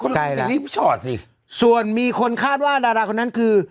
สลิปชอตสิส่วนมีคนคาดว่าดาราคนนั้นคือ